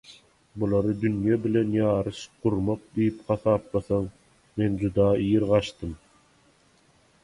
Bulary dünýe bilen ýaryş gurmak diýip hasaplasaň – men juda ir gaçdym.